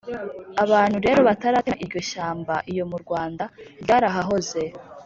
abantu rero bataratema iryo shyamba iyo mu rwanda, ryarahahoze